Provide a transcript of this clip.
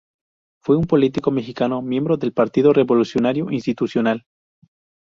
Fue un político mexicano, miembro del Partido Revolucionario Institucional.